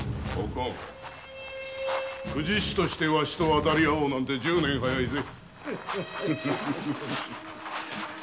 公事師としてわしと渡りあうなんて十年早いぜ。